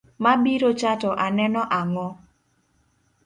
Mabirocha to aneno ang’o?